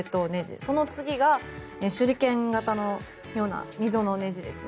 その次が、手裏剣型のような溝のねじですね。